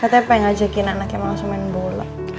katanya pengen ngajakin anak anaknya mengasum main bola